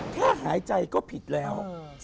หายใจก็ผิดแล้ว